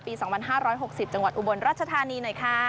ปี๒๕๖๐จังหวัดอุบลรัชธานีหน่อยค่ะ